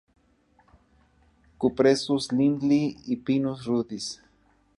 Cupressus lindley y Pinus rudis.